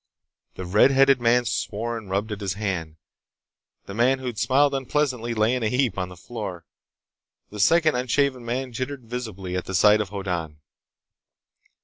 The red headed man swore and rubbed at his hand. The man who'd smiled unpleasantly lay in a heap on the floor. The second unshaven man jittered visibly at sight of Hoddan.